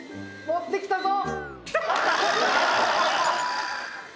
持ってきたぞ！